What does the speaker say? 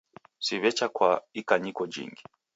Siw'echa kwa ikwanyiko jingi